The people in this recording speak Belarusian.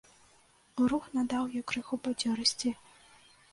Рух надаў ёй крыху бадзёрасці.